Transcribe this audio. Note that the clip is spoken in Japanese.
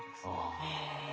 へえ。